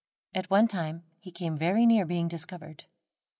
At one time he came very near being discovered.